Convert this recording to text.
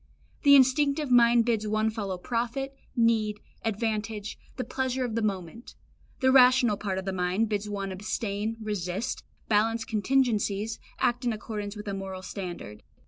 The instinctive mind bids one follow profit, need, advantage, the pleasure of the moment; the rational part of the mind bids one abstain, resist, balance contingencies, act in accordance with a moral standard.